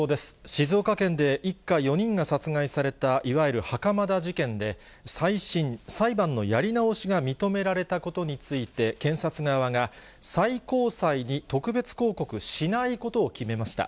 静岡県で一家４人が殺害された、いわゆる袴田事件で、最新・裁判のやり直しが認められたことについて、検察側が、最高裁に特別抗告しないことを決めました。